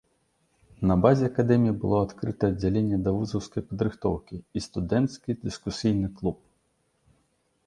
На базе акадэміі было адкрыта аддзяленне давузаўскай падрыхтоўкі і студэнцкі дыскусійны клуб.